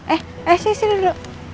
eh eh sini sini duduk